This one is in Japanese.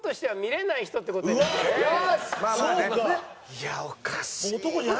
いやおかしいな。